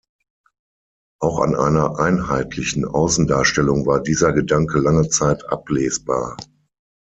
Auch an einer einheitlichen Außendarstellung war dieser Gedanke lange Zeit ablesbar.